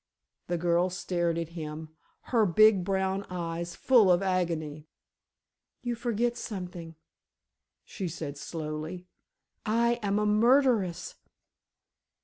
The girl stared at him, her big brown eyes full of agony. "You forget something," she said, slowly. "I am a murderess!"